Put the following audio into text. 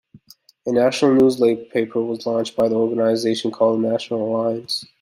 A national newspaper was launched by the organization called The National Alliance.